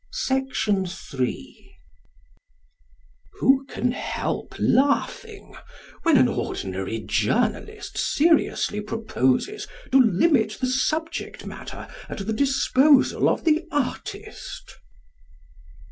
19. _Who can help laughing when an ordinary journalist seriously proposes to limit the subject matter at the disposal of the artist?